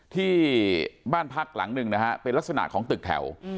ที่บ้านพักหลังหนึ่งนะฮะเป็นลักษณะของตึกแถว